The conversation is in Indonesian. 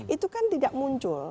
itu kan tidak muncul